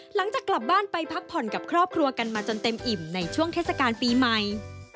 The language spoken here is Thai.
หลังจากกลับบ้านไปพักผ่อนกับครอบครัวกันมาจนเต็มอิ่มในช่วงเทศกาลปีใหม่